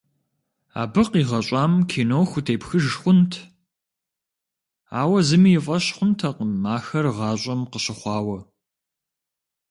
Абы къигъэщӏам кино хутепхыж хъунт, ауэ зыми и фӏэщ хъунтэкъым ахэр гъащӏэм къыщыхъуауэ.